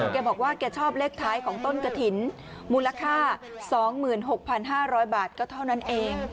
แกบอกว่าแกชอบเลขท้ายของต้นกระถินมูลค่าสองหมื่นหกพันห้าร้อยบาทก็เท่านั้นเอง